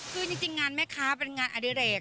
คือจริงงานแม่ค้าเป็นงานอดิเรก